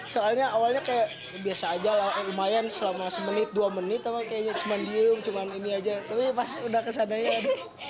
soalnya awalnya kayak biasa aja lah lumayan selama satu menit dua menit cuma diem cuma ini aja tapi pas udah kesana ya aduh